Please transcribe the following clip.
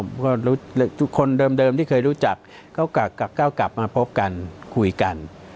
ผมก็รู้ทุกคนเดิมเดิมที่เคยรู้จักก็กลับมาพบกันคุยกัน